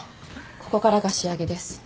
ここからが仕上げです。